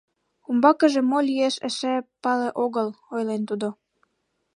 «Умбакыже мо лиеш эше пале огыл», — ойлен тудо.